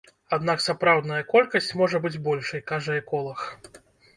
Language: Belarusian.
Аднак сапраўдная колькасць можа быць большай, кажа эколаг.